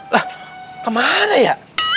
lah kemana ya